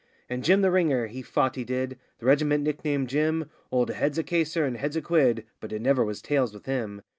And Jim the Ringer he fought, he did. The regiment nicknamed Jim, 'Old Heads a Caser' and 'Heads a Quid,' but it never was 'tails' with him.